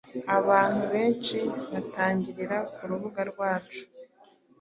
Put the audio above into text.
Abantu benshi batangirira kurubuga rwacu